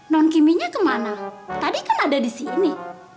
non kimi nya kemana tadi kan ada di sini